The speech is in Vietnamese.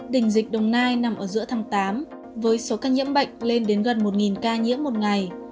đỉnh dịch đồng nai nằm ở giữa tháng tám với số ca nhiễm bệnh lên đến gần một ca nhiễm một ngày